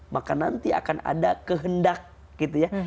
maka nanti akan ada kehendak gitu ya